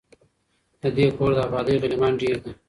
د دې کور د آبادۍ غلیمان ډیر دي